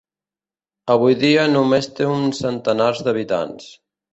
Avui dia només té uns centenars d'habitants.